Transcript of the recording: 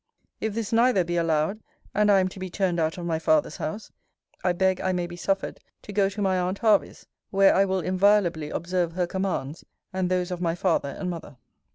If this, neither, be allowed, and I am to be turned out of my father's house, I beg I may be suffered to go to my aunt Hervey's, where I will inviolably observe her commands, and those of my father and mother.